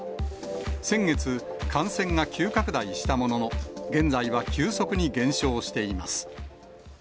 先月、感染が急拡大したものの、現在は急速に減少しています。